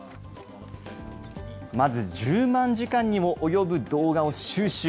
まず１０万時間にもおよぶ動画を収集。